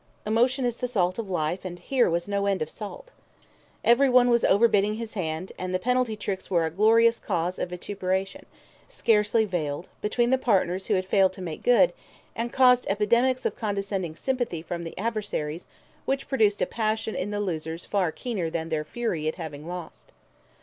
Emotion is the salt of life, and here was no end of salt. Everyone was overbidding his hand, and the penalty tricks were a glorious cause of vituperation, scarcely veiled, between the partners who had failed to make good, and caused epidemics of condescending sympathy from the adversaries which produced a passion in the losers far keener than their fury at having lost.